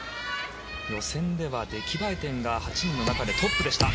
予選では出来栄え点が８人の中でトップでした。